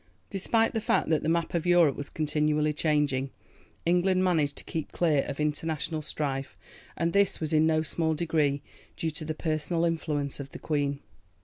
Despite the fact that the map of Europe was continually changing, England managed to keep clear of international strife, and this was in no small degree due to the personal influence of the Queen.